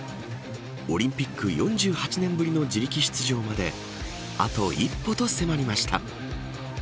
オリンピック４８年ぶりの自力出場まであと一歩と迫りました。